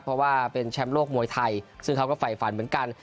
เพราะว่าเป็นแชมป์โลกมวยไทยซึ่งเขาก็ฝ่ายฝันเหมือนกัน